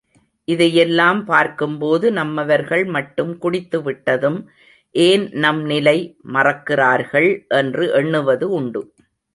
இதையெல்லாம் பார்க்கும்போது நம்மவர்கள் மட்டும் குடித்துவிட்டதும் ஏன் நம் நிலை மறக்கிறார்கள் என்று எண்ணுவது உண்டு.